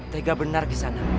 tegak benar kisanak